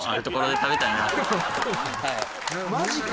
「マジか！」